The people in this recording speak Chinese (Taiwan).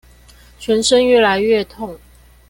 全身越來越痛